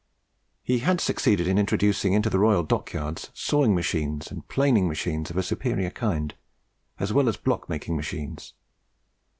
He had succeeded in introducing into the royal dockyards sawing machines and planing machines of a superior kind, as well as block making machines.